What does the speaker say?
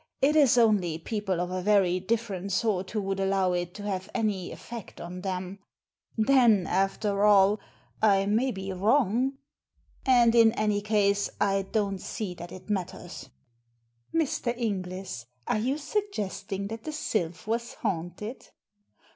It is only people of a very different sort who would allow it to have any effect on thenL Then, after all, I may be wrong. And, in any case, I don't see that it matters." "Mr. Inglis, are you suggesting that the Sylph was haunted?"